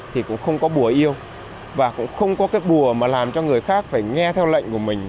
thì cũng không có bùa yêu và cũng không có cái bùa mà làm cho người khác phải nghe theo lệnh của mình